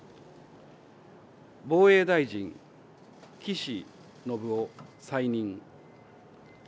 防衛大臣、岸信夫、再任。